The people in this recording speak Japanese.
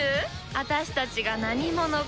私たちが何者か。